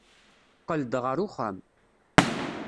Qqel-d ɣer uxxam.